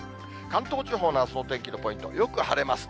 関東地方のあすの天気のポイント、よく晴れます。